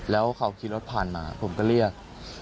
แล้วเขาขี่รถผ่านมาผมก็เรียก